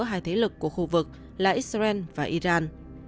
các nước có hai thế lực của khu vực là israel và iran